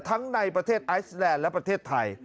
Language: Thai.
ในประเทศไอซแลนด์และประเทศไทย